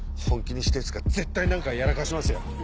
本気にしたヤツが絶対何かやらかしますよ。